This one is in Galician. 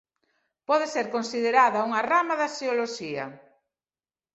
Pode ser considerada unha rama da xeoloxía.